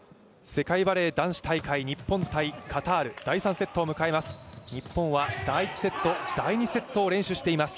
世界バレー男子大会日本×カタール第３セットを迎えます。